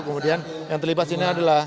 kemudian yang terlibat sini adalah